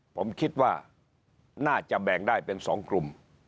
ผมคิดว่าน่าจะแบ่งได้เป็น๒กลุ่ม